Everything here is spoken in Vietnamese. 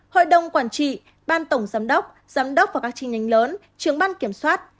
hội đồng quản trị ban tổng giám đốc giám đốc và các trình nhanh lớn trưởng ban kiểm soát